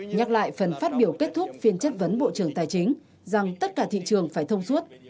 nhắc lại phần phát biểu kết thúc phiên chất vấn bộ trưởng tài chính rằng tất cả thị trường phải thông suốt